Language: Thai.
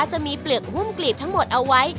มักจะมีเปลือกหุ้มกลีบทั้งหมดเอาไว้